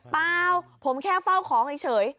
เปล่าผมแค่เฝ้าของเฉย